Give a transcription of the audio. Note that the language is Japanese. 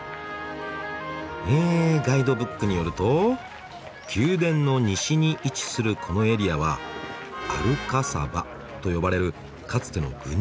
えガイドブックによると宮殿の西に位置するこのエリアはアルカサバと呼ばれるかつての軍事要塞。